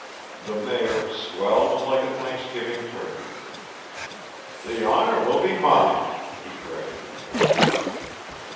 The Mayor swelled like a Thanksgiving turkey. "The honour will be mine," he corrected his visitor.